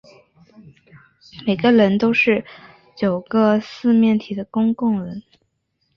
每个棱都是九个正四面体的公共棱。